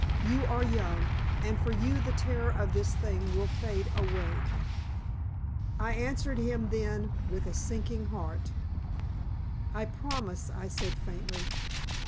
You are young, and for you the terror of this thing will fade away." I answered him then with a sinking heart. "I promise," I said, faintly.